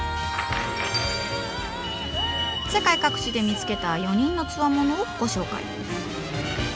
世界各地で見つけた４人のつわものをご紹介。